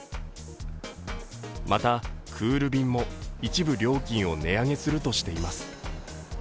また、クール便も一部料金を値上げするとしています。